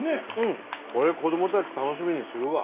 これ子どもたち楽しみにするわ。